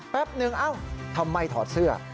แป๊บนึงเอ้าทำไมถอดเสื้อ